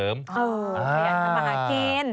เออเรียนขึ้นมาหากิน